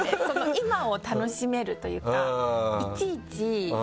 今を楽しめるというか。